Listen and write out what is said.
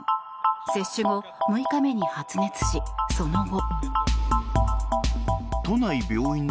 接種後６日目に発熱しその後。